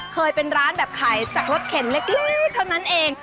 เคยเป็นร้านแบบขายจากรถเข็นเล็กเท่านั้นเอง